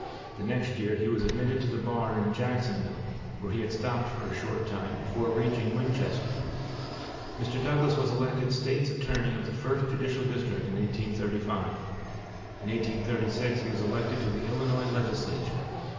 The next year he was admitted to the bar in Jacksonville, where he had stopped for a short time, before reaching Winchester. Mr. Douglas was elected State's Attorney of the First Judicial District in 1835. In 1836 he was elected to the Illinois legislature.